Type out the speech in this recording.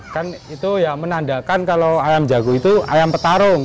kan itu ya menandakan kalau ayam jago itu ayam petarung